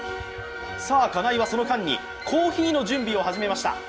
金井はその間にコーヒーの準備を始めました。